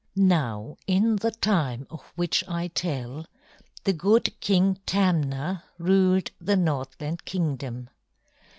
Now in the time of which I tell, the good king Tamna ruled the Northland Kingdom.